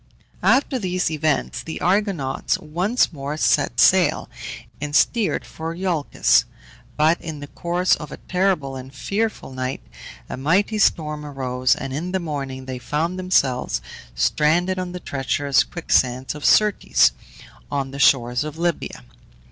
After these events the Argonauts once more set sail, and steered for Iolcus; but, in the course of a terrible and fearful night, a mighty storm arose, and in the morning they found themselves stranded on the treacherous quicksands of Syrtes, on the shores of Libya.